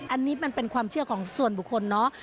อันนี้มันเป็นความเชื่อของส่วนบุคคลเนาะ